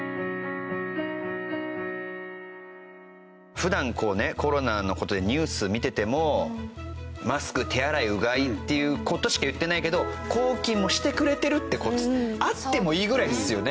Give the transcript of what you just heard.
普段こうねコロナの事でニュース見ててもマスク手洗いうがいっていう事しか言ってないけど抗菌もしてくれてるってあってもいいぐらいですよね。